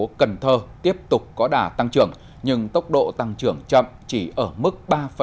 thành phố cần thơ tiếp tục có đả tăng trưởng nhưng tốc độ tăng trưởng chậm chỉ ở mức ba một mươi ba